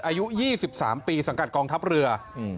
อายุ๒๓ปีสังกัดกองทัพเรือ